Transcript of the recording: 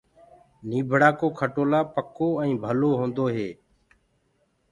نيٚڀڙآ ڪو کٽولآ پڪو ائينٚ ڀلو هونٚدو هي